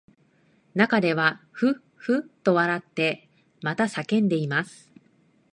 中ではふっふっと笑ってまた叫んでいます